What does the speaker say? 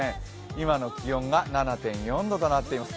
今の気温が７．４度となっています。